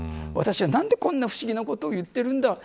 私は、何でこんな不思議なことを言っているんだ。